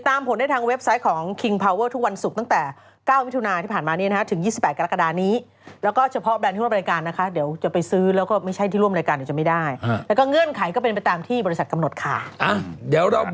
แต่บ้านเล็กที่เนี้ยสี่สิบสี่หมู่สามกินแมวไปสามตัวอืม